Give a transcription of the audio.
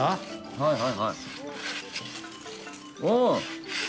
はいはいはい。